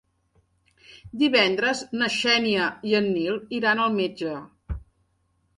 Divendres na Xènia i en Nil iran al metge.